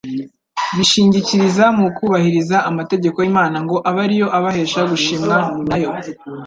Bishingikiriza mu kubahiriza amategeko y’Imana ngo abe ari yo abahesha gushimwa na yo